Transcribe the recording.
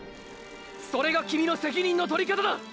それがキミの責任の取り方だ！！